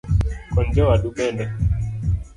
Kony jowadu bende